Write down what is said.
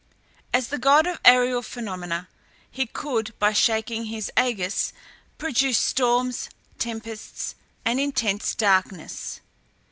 As the god of aërial phenomena he could, by shaking his ægis, produce storms, tempests, and intense darkness.